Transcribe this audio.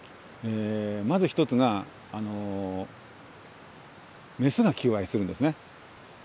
まず一つがメスが求愛するんですね。